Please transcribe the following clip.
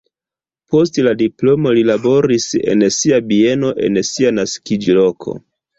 Post la diplomo li laboris en sia bieno en sia naskiĝloko.